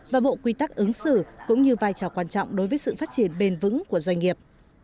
và bộ quy tắc ứng xử cũng như vai trò quan trọng đối với sự phát triển bền vững của doanh nghiệp